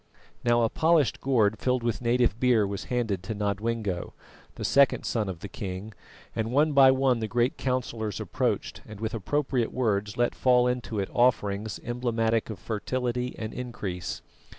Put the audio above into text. Now a polished gourd filled with native beer was handed to Nodwengo, the second son of the king, and one by one the great councillors approached, and, with appropriate words, let fall into it offerings emblematic of fertility and increase.